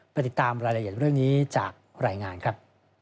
ติดตามรายละเอียดเรื่องนี้จากรายงานครับ